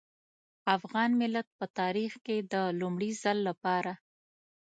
افغان ملت په تاريخ کې د لومړي ځل لپاره.